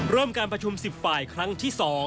เริ่มการประชุม๑๐ป่ายครั้งที่๒